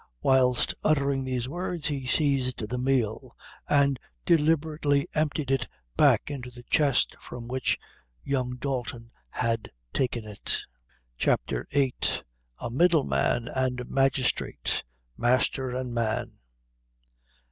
Whilst uttering these words, he seized the meal, and deliberately emptied it back into the chest from which young Dalton had taken it. CHAPTER VIII. A Middle Man and Magistrate Master and Man.